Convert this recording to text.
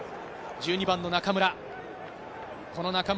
１２番の中村。